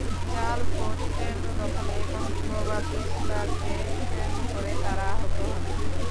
জাল ভোট, কেন্দ্র দখল এবং প্রভাব বিস্তারকে কেন্দ্র করে তাঁরা আহত হন।